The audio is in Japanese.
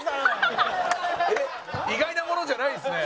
意外なものじゃないんですね。